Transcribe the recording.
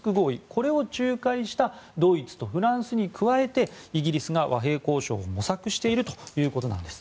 これを仲介したドイツとフランスに加えてイギリスが和平交渉を模索しているということです。